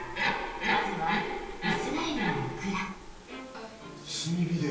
まずはイスラエルのオクラ炭火で？